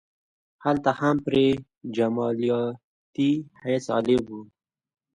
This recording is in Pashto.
هلته هم پرې جمالیاتي حس غالب و.